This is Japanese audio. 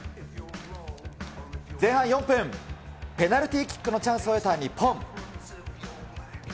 前半４分、ペナルティーキックのチャンスを得た日本。